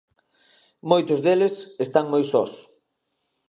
Moitos deles están moi sós.